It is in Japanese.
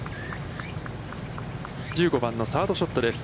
１５番のサードショットです。